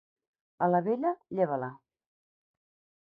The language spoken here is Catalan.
A la vella, lleva-la.